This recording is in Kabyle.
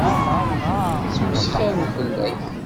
Ttmesxiṛen fell-ak.